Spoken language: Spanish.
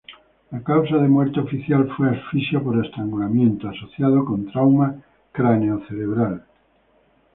La causa de muerte oficial fue asfixia por estrangulamiento, asociado con trauma cráneo-cerebral.